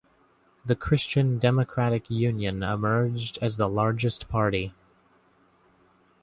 The Christian Democratic Union emerged as the largest party.